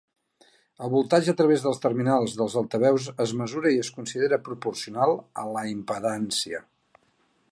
El voltatge a través dels terminals dels altaveus es mesura i es considera proporcional a la impedància.